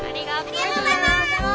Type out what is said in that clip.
ありがとうございます！